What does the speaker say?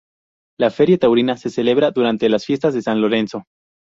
La feria taurina se celebra durante las Fiestas de San Lorenzo.